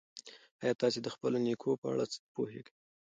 ایا تاسي د خپلو نیکونو په اړه څه پوهېږئ؟